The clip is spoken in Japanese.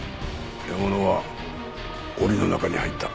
獲物は檻の中に入った。